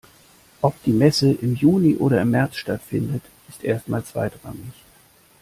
Ob die Messe im Juni oder im März stattfindet, ist erst mal zweitrangig.